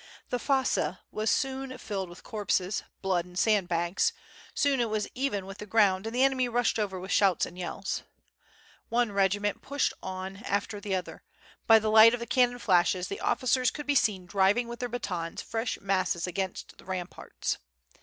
The fosse was soon filled with corpses, blood and sandbags, soon it was even with the ground and the enemy rushed over with shouts and yells. One regiment pushed on after the other; by the light of the cannon flashes the officers could be seen driving with their batons fresh masses against the ramparts.